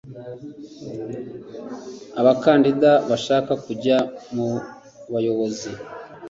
abakandida bashaka kujya mu buyobozi